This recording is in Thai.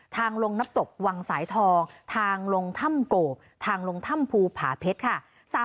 ทางลงน้ำตกวังสายทองทางลงถ้ำโกบทางลงถ้ำภูผาเพชรค่ะ